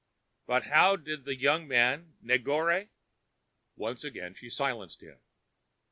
But how did the young man, Negore?" Once again she silenced him.